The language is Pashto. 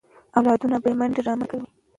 اولادونه به یې منډې رامنډې کوي.